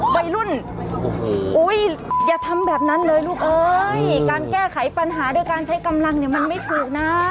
วัยรุ่นอย่าทำแบบนั้นเลยลูกเอ้ยการแก้ไขปัญหาด้วยการใช้กำลังเนี่ยมันไม่ถูกนะ